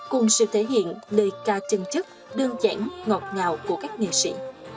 cùng sự thể hiện lời ca chân chất đơn giản ngọt ngào của các nghệ sĩ